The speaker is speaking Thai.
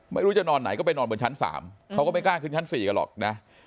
ไม่รู้จะนอนไหนก็ไปนอนบนชั้น๓เขาก็ไม่กล้าขึ้นชั้น๔กันหรอกนะ